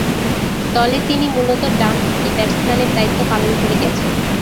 দলে তিনি মূলতঃ ডানহাতি ব্যাটসম্যানের দায়িত্ব পালন করে গেছেন।